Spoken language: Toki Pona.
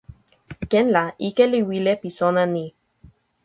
ken la ike li wile pi sona ni.